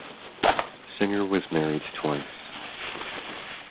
Singer was married twice.